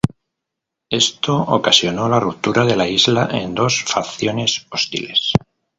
Esto ocasionó la ruptura de la isla en dos facciones hostiles.